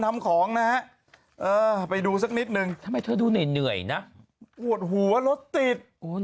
ทำของนะเออไปดูสักนิดหนึ่งกลัวหัวรถติดโอ้โห